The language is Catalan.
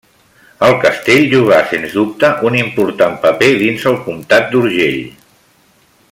El castell jugà, sens dubte, un important paper dins el comtat d'Urgell.